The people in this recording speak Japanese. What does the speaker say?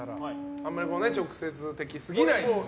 あんまり直接的すぎない質問。